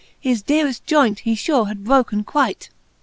His deareft joynt he fure had broken quight.